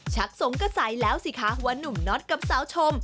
สงกระสัยแล้วสิคะว่านุ่มน็อตกับสาวชม